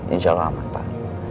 insya allah aman pak